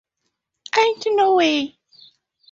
Ain't no way.